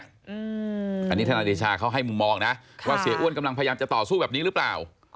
อันนี้ทนายเดชาเขาให้มุมมองนะว่าเสียอ้วนกำลังพยายามจะต่อสู้แบบนี้หรือเปล่า